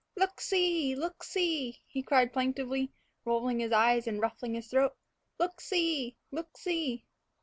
"Look see! look see!" he called plaintively, rolling his eyes and ruffling his throat; "look see! look see!"